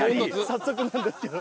早速なんですけど。